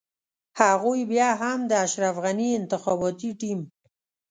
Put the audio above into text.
هغوی بيا هم د اشرف غني انتخاباتي ټيم.